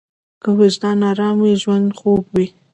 که وجدان ارام وي، ژوند خوږ وي.